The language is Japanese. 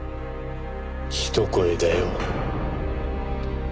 一声だよ。